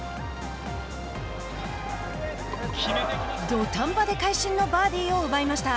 土壇場で会心のバーディーを奪いました。